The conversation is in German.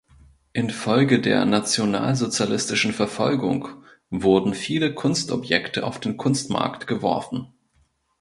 In Folge der nationalsozialistischen Verfolgung wurden viele Kunstobjekte auf den Kunstmarkt geworfen.